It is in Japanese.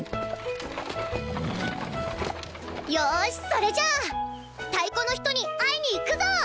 よしそれじゃあ太鼓の人に会いに行くぞ！